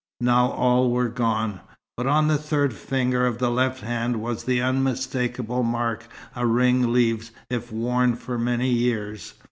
Now all were gone. But on the third finger of the left hand was the unmistakable mark a ring leaves if worn for many years.